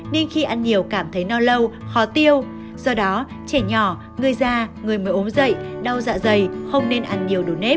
nên khi ăn nhiều cảm thấy đau lâu khó tiêu do đó trẻ nhỏ người già người mới ốm dậy đau dạ dày không nên ăn nhiều đồ nếp